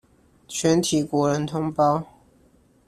全體國人同胞